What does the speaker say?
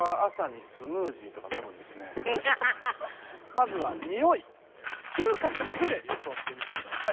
まずはにおい嗅覚だけで予想してみてください。